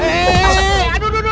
aduh aduh aduh